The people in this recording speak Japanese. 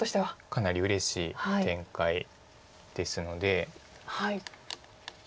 かなりうれしい展開ですので。